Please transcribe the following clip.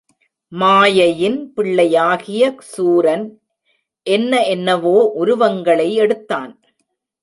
மாயையின் பிள்ளையாகிய சூரன் என்ன என்னவோ உருவங்களை எடுத்தான்.